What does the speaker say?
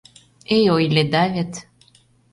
— Эй, ойледа вет...